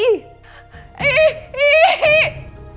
ih ih ih